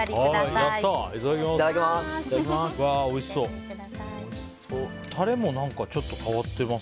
いただきます。